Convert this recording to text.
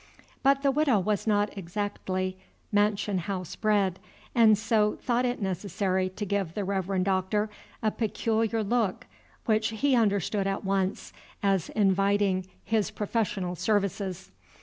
But the Widow was not exactly mansion house bred, and so thought it necessary to give the Reverend Doctor a peculiar look which he understood at once as inviting his professional services.